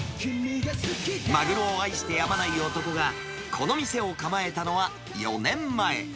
マグロを愛してやまない男がこの店を構えたのは、４年前。